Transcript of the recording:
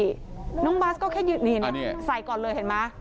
ใช่น้องบาสก็แค่ใส่ก่อนเลยเห็นมั้ย